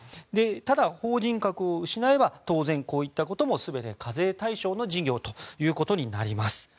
ただ、法人格を失えば当然こういったことも全て課税対象の事業となります。